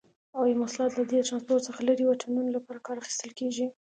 هوایي مواصلات له دې ترانسپورت څخه لري واټنونو لپاره کار اخیستل کیږي.